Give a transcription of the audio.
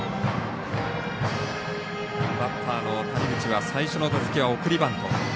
バッターの谷口は最初の打席は送りバント。